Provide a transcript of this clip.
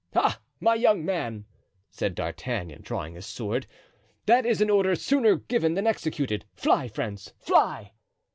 "Ah! my young man," said D'Artagnan, drawing his sword, "that is an order sooner given than executed. Fly, friends, fly!"